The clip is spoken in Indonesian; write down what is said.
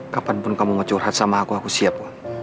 kapanpun kamu mau curhat sama aku aku siap